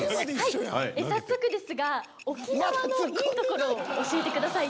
早速ですが沖縄のいいところを教えてください。